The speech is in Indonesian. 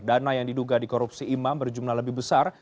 dana yang diduga di korupsi imam berjumlah lebih besar